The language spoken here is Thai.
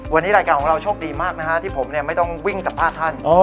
วันนี้รายการของเราโชคดีมากนะฮะที่ผมไม่ต้องวิ่งสัมภาษณ์ท่าน